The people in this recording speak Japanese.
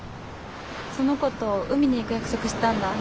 その子と海に行く約束したんだ。